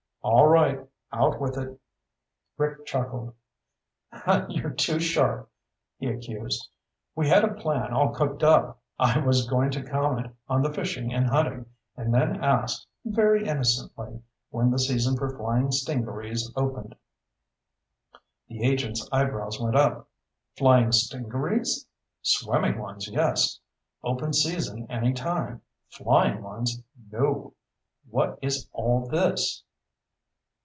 "All right. Out with it." Rick chuckled. "You're too sharp," he accused. "We had a plan all cooked up. I was going to comment on the fishing and hunting, and then ask very innocently when the season for flying stingarees opened." The agent's eyebrows went up. "Flying stingarees? Swimming ones, yes. Open season any time. Flying ones, no. What is all this?"